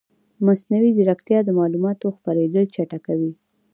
مصنوعي ځیرکتیا د معلوماتو خپرېدل چټکوي.